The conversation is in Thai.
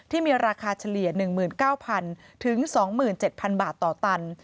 ที่มีราคาเฉลี่ย๑๙๐๐๒๗๐๐บาทต่อตัน